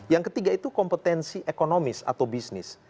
yang ketiga itu kompetensi ekonomis atau bisnis